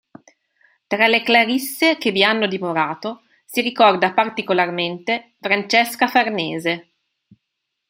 Tra le clarisse che vi hanno dimorato si ricorda particolarmente Francesca Farnese.